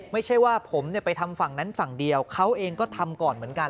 ไม่ใช่ว่าผมไปทำฝั่งนั้นฝั่งเดียวเขาเองก็ทำก่อนเหมือนกัน